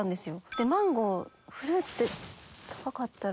でマンゴーフルーツって高かったら。